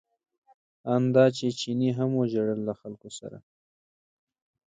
ان دا چې چیني هم وژړل له خلکو سره.